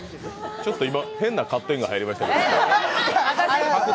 ちょっと今、変なカットインが入りましたけど。